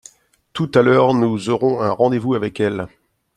Tout à l’heure nous aurons un rendez-vous avec elles.